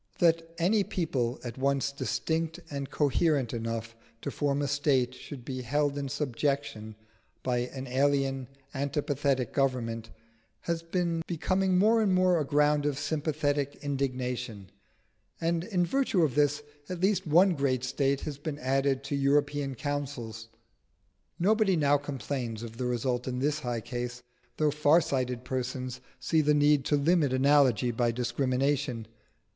That any people at once distinct and coherent enough to form a state should be held in subjection by an alien antipathetic government has been becoming more and more a ground of sympathetic indignation; and in virtue of this, at least one great State has been added to European councils. Nobody now complains of the result in this case, though far sighted persons see the need to limit analogy by discrimination.